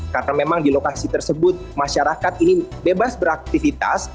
karena memang di lokasi tersebut masyarakat ini bebas beraktifitas